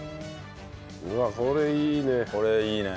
うわこれいいね。